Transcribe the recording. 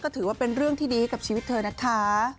ถือว่าเป็นเรื่องที่ดีให้กับชีวิตเธอนะคะ